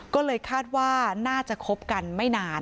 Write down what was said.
ก็เลยคาดว่าน่าจะคบกันไม่นาน